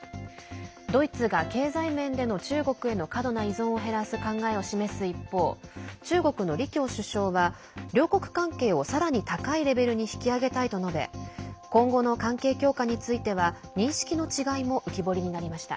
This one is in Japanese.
ドイツが経済面での中国への過度な依存を減らす考えを示す一方中国の李強首相は両国関係をさらに高いレベルに引き上げたいと述べ今後の関係強化については認識の違いも浮き彫りになりました。